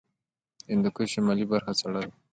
د هندوکش شمالي برخه سړه ده